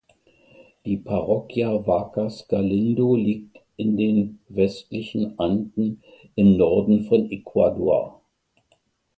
Die Parroquia Vacas Galindo liegt in den westlichen Anden im Norden von Ecuador.